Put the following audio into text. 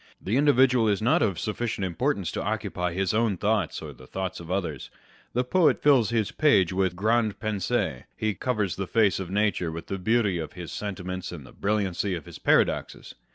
The individual is not of sufficient importance to occupy his own thoughts or the thoughts of others. The poet fills his page with grandes pensees. He covers the face of nature with the beauty of his sentiments and the brilliancy of his paradoxes.